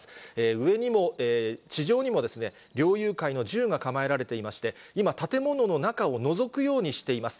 上にも、地上にも、猟友会の銃が構えられていまして、今、建物の中をのぞくようにしています。